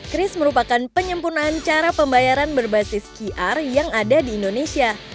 kris merupakan penyempurnaan cara pembayaran berbasis qr yang ada di indonesia